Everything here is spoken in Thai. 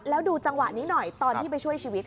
แล้วดูจังหวะนี้หน่อยตอนที่ไปช่วยชีวิต